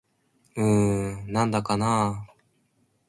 うーん、なんだかなぁ